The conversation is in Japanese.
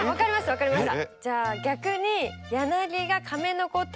分かりました。